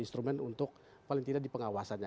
instrumen untuk paling tidak di pengawasannya